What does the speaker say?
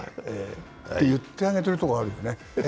って言ってあげているところはあるよね